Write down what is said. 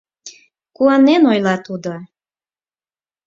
- куанен ойла тудо.